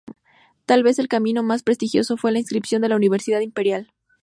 Tal vez el camino más prestigioso fue la inscripción en la Universidad Imperial.